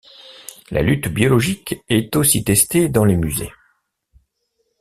La lutte biologique est aussi testée dans les musées.